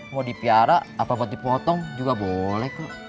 mau dipiara apa buat dipotong juga boleh kok